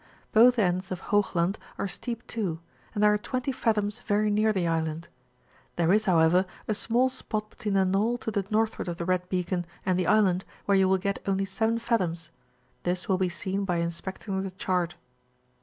Both ends of Hoogland are steep to, and there are 20 &.thoms very near the island; there is, h<9lirever, a small spot between the knoll to the northward of the red beacon and the island, where you will get only 7 fathoms ; this will be seen by inspecting the chart.